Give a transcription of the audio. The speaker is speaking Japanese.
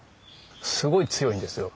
すごい強いんですよ。